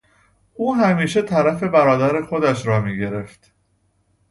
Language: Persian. او همیشه طرف برادر خودش را میگرفت.